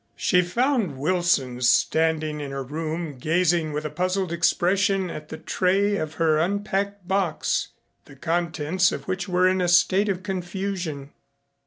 She found Wilson standing in her room gazing with a puzzled expression at the tray of her unpacked box, the contents of which were in a state of confusion.